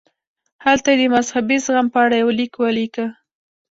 هلته یې د مذهبي زغم په اړه یو لیک ولیکه.